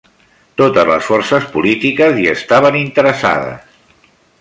Totes les forces polítiques hi estaven interessades.